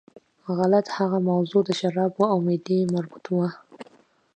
غلط، هغه موضوع د شرابو او معدې مربوط وه.